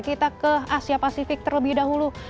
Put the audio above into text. kita ke asia pasifik terlebih dahulu